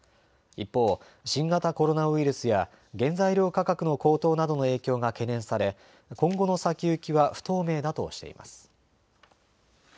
一方、新型コロナウイルスや原材料価格の高騰などの影響が懸念され今後の先行きは不透明だとしています。